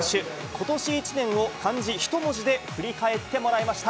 ことし一年を漢字一文字で振り返ってもらいました。